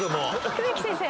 植木先生